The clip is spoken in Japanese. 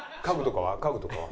家具とかは？